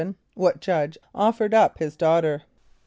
= What judge offered up his daughter?